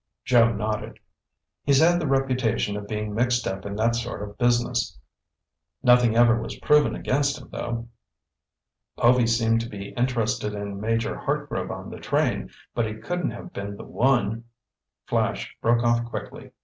Joe nodded. "He's had the reputation of being mixed up in that sort of business. Nothing ever was proven against him though." "Povy seemed to be interested in Major Hartgrove on the train. But he couldn't have been the one—" Flash broke off quickly.